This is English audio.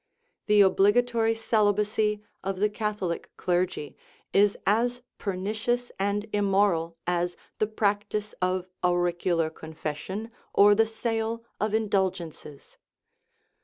The obligatory celibacy of the Catholic clergy is as pernicious and immoral as the practice of auricular confession or the sale of indulgences.